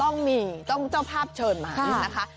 ต้องมีต้องเจ้าภาพเชิญมานะคะ